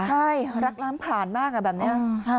ใช่รักล้างผลาญมากแบบนี้